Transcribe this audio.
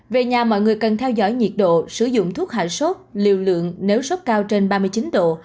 về nhà mọi người cần theo dõi nhiệt độ sử dụng thuốc hạ sốt liều lượng nếu sốc cao trên ba mươi chín độ